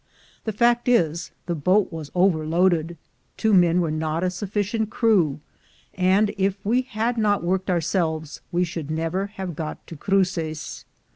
The fact is, the boat was overloaded; two men were not a sufficient crew; and if we had not worked our selves, we should never have got to Cruces.